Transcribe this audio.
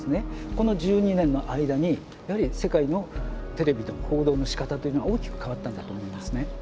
この１２年の間にやはり世界のテレビでも報道のしかたというのは大きく変わったんだと思いますね。